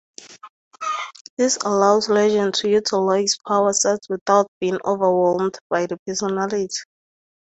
This allows Legion to utilize power sets without being overwhelmed by the personality.